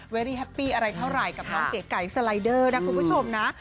ไม่ได้แฮปปี้อะไรเท่าไหร่กับน้องเก๋ไก่สไลเดอร์นะคุณผู้ชมนะ